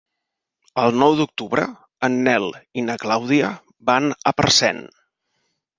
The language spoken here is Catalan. El nou d'octubre en Nel i na Clàudia van a Parcent.